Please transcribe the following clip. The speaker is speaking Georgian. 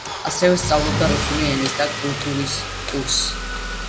ასევე სწავლობდა რუსული ენისა და კულტურის კურსს.